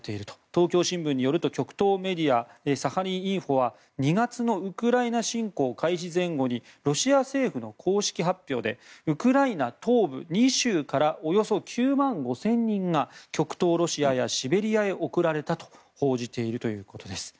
東京新聞によると極東メディアサハリン・インフォは２月のウクライナ侵攻開始前後にロシア政府の公式発表でウクライナ東部２州からおよそ９万５０００人が極東ロシアやシベリアへ送られたと報じているそうです。